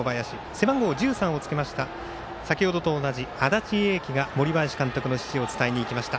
背番号１３をつけました先ほどと同じ、安達英輝が森林監督の指示を伝えにいきました。